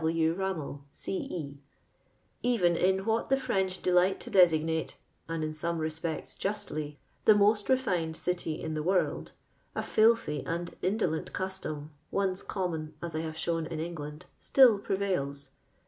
W. liammelL CJa. £ vetk in what the French delij^ht to deidgnile ^ind in some respects justly — the most retined city in the world, a filthy and indolent custom, once common, as I have shown, in England, still prevails.